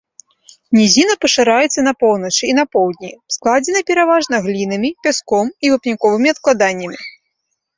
Нізіна пашыраецца на поўначы і на поўдні, складзена пераважна глінамі, пяском і вапняковымі адкладаннямі.